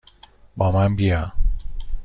با من بیا!